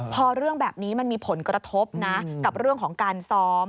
พอเรื่องแบบนี้มันมีผลกระทบนะกับเรื่องของการซ้อม